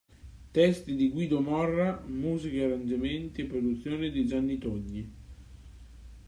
Testi di Guido Morra, musiche arrangiamenti e produzione di Gianni Togni